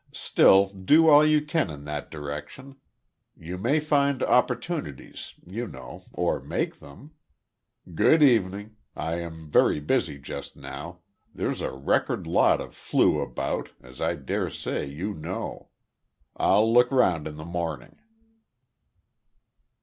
Still, do all you can in that direction. You may find opportunities, you know or make them. Good evening, I am very busy just now, there's a record lot of `flu' about, as I dare say you know. I'll look round in the morning."